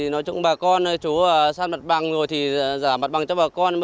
nói chung bà con chú sát mặt bằng rồi thì giả mặt bằng cho bà con